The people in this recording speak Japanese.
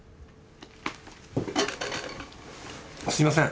すみません。